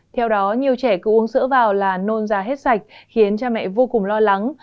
theo đó nhiều trẻ cứ uống sữa vào là nôn già hết sạch khiến cha mẹ vô cùng lo lắng